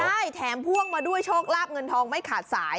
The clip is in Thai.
ใช่แถมพ่วงมาด้วยโชคลาบเงินทองไม่ขาดสาย